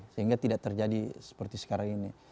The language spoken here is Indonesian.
sehingga tidak terjadi seperti sekarang ini